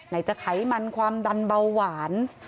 ไหนจะไขมันความดันเบาหวาน